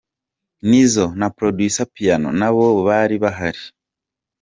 Nizzo na producer Piano nabo bari bahari.